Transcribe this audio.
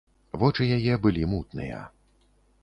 Вочы яе былі мутныя.